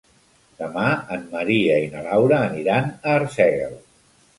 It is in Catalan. Demà en Maria i na Laura aniran a Arsèguel.